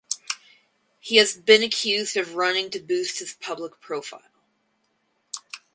He has been accused of running to boost his public profile.